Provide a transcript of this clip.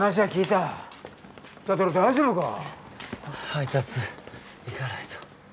配達行かないと。